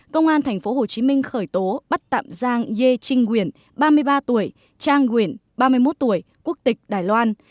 công an tp hcm khởi tố bắt tạm giang ye ching guyen ba mươi ba tuổi chang guyen ba mươi một tuổi quốc tịch đài loan